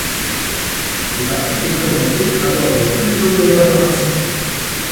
Les articles présentés abordent tous les domaines de la pharmacie.